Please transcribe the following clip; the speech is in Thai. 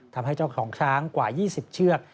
ทำให้เจ้าของช้างกว่า๒๐เชือก